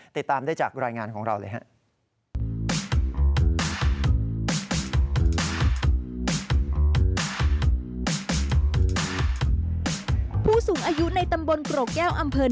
ติดตามได้จากรายงานของเราเลยครับ